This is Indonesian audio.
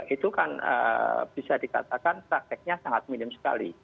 itu kan bisa dikatakan prakteknya sangat minim sekali